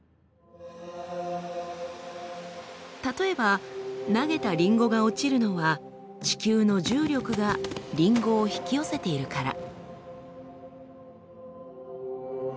例えば投げたりんごが落ちるのは地球の重力がりんごを引き寄せているから。